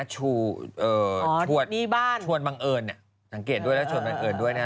ชวนบังเอิญสังเกตด้วยแล้วชวนบังเอิญด้วยนะ